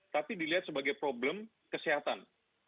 tapi dilihat sebagai problem kesehatan